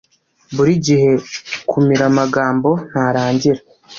Buri gihe kumira amagambo ntarangira